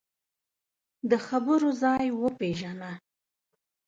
د خبرو ځای وپېژنه